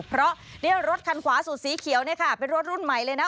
เพราะรถคันขวาสูตรสีเขียวเป็นรถรุ่นใหม่เลยนะ